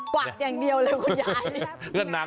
วักอย่างเดียวเลยคุณยาย